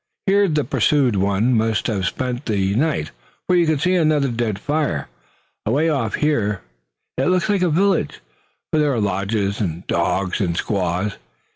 Here the pursued one must have spent the night, for you can see another dead fire. Away off here it looks like a village, for there are lodges and dogs and squaws.